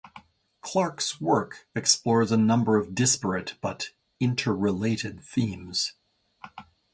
Clark's work explores a number of disparate but interrelated themes.